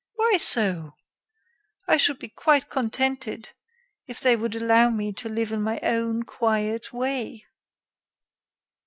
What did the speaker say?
"Why so? I should be quite contented if they would allow me to live in my own quiet way."